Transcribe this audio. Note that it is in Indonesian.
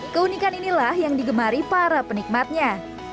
keunikan inilah yang digemari para penikmatnya